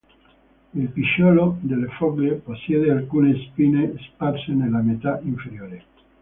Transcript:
Il picciolo delle foglie possiede alcune spine sparse nella metà inferiore.